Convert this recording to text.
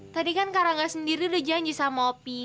tadi kan kak rangga sendiri udah janji sama opi